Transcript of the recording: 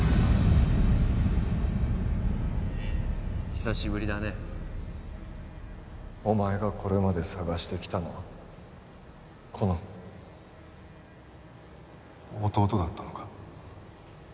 久しぶりだねお前がこれまで捜してきたのはこの弟だったのか？